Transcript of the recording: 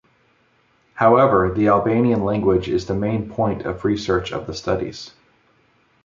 However the Albanian language is the main point of research of the studies.